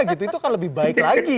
itu akan lebih baik lagi